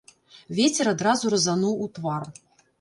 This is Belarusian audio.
Вецер адразу разануў у твар.